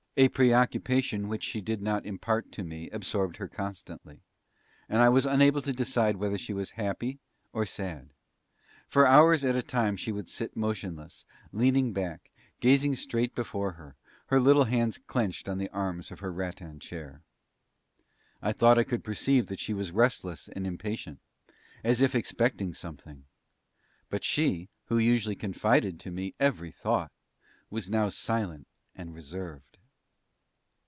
A preoccupation which she did not impart to me absorbed her constantly, and I was unable to decide whether she was happy, or sad. For hours at a time she would sit motionless, leaning back, gazing straight before her, her little hands clenched on the arms of her rattan chair. I thought I could perceive that she was restless and impatient as if expecting something; but she, who usually confided to me every thought, now was silent and reserved.